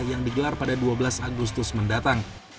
yang digelar pada dua belas agustus mendatang